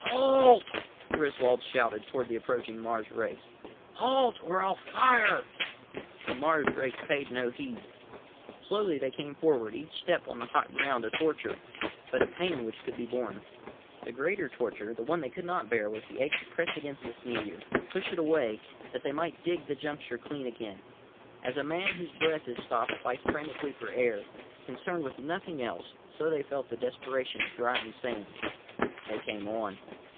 "Halt!" Griswold shouted toward the approaching Mars race. "Halt or I'll fire!" The Mars race paid no heed. Slowly they came forward, each step on the hot ground a torture, but a pain which could be borne. The greater torture, the one they could not bear, was the ache to press against this meteor, push it away, that they might dig the juncture clean again. As a man whose breath is stopped fights frantically for air, concerned with nothing else, so they felt the desperation of drying sands. They came on.